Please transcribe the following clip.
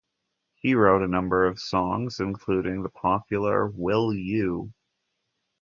He wrote a number of songs, including the popular Will You?